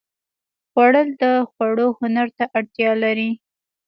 خوړل د خوړو هنر ته اړتیا لري